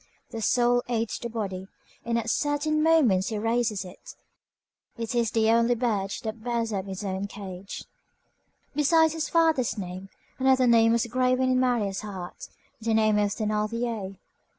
The soul aids the body, and at certain moments, raises it. It is the only bird which bears up its own cage. Besides his father's name, another name was graven in Marius' heart, the name of Thénardier.